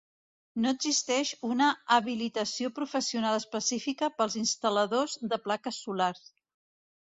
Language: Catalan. No existeix una habilitació professional específica pels instal·ladors de plaques solars.